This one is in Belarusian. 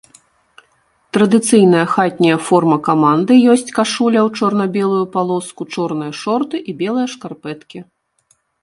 Традыцыйная хатняя форма каманды ёсць кашуля ў чорна-белую палоску, чорныя шорты і белыя шкарпэткі.